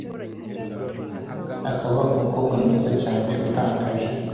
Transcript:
akaba umukobwa mwiza cyane utangaje